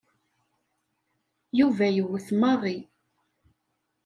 Yuba yewwet Mary.